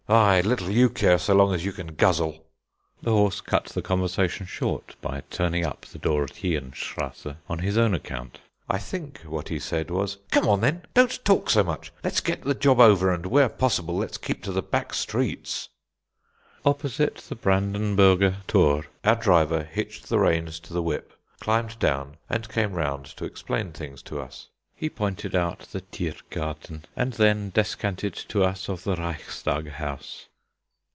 Aye, little you care so long as you can guzzle." The horse cut the conversation short by turning up the Dorotheen Strasse on his own account. I think what he said was: "Come on then; don't talk so much. Let's get the job over, and, where possible, let's keep to the back streets." Opposite the Brandenburger Thor our driver hitched the reins to the whip, climbed down, and came round to explain things to us. He pointed out the Thiergarten, and then descanted to us of the Reichstag House.